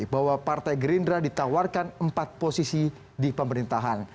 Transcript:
bahwa partai gerindra ditawarkan empat posisi di pemerintahan